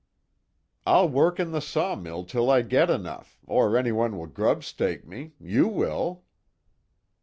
"I'll work in the sawmill till I get enough, or anyone will grub stake me you will."